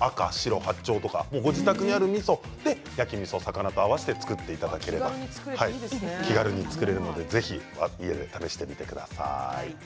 赤、白、八丁などご自宅にあるみそ焼き魚と一緒に合わせて作っていただければと気軽に作れると思いますのでおうちで試してください。